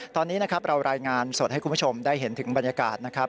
ตอนนี้นะครับเรารายงานสดให้คุณผู้ชมได้เห็นถึงบรรยากาศนะครับ